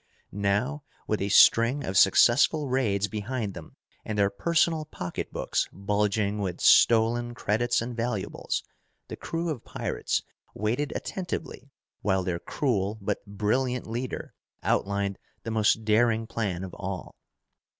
Now with a string of successful raids behind them and their personal pocketbooks bulging with stolen credits and valuables, the crew of pirates waited attentively while their cruel but brilliant leader outlined the most daring plan of all.